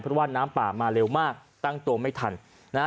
เพราะว่าน้ำป่ามาเร็วมากตั้งตัวไม่ทันนะฮะ